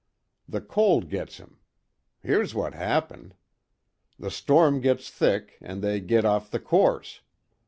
The cold gits him. Here's what happened. The storm gits thick, an' they git off the course.